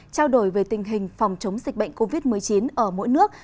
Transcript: trao đổi về tình hình phòng chống dịch bệnh covid một mươi chín ở mỗi nước